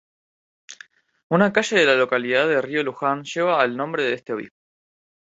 Una calle de la localidad de Río Luján lleva el nombre de este obispo.